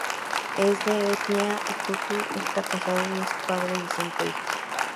Es de etnia hutu, está casado y es padre de cinco hijos.